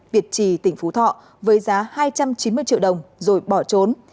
việt trì tỉnh phú thọ với giá hai trăm chín mươi triệu đồng rồi bỏ trốn